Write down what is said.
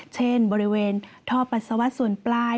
เช่นบริเวณท่อปัสสาวะส่วนปลาย